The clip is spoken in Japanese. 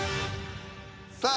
さあ